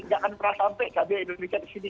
gak akan pernah sampai cabai indonesia disini